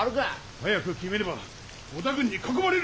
早く決めねば織田軍に囲まれる！